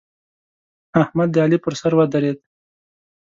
احمد د علي پر سر ودرېد.